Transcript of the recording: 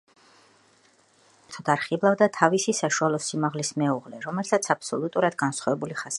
მას საერთოდ არ ხიბლავდა თავისი საშუალო სიმაღლის მეუღლე, რომელსაც აბსოლუტურად განსხვავებული ხასიათი ჰქონდა.